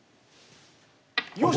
よし！